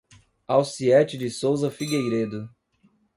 Alciete de Souza Figueiredo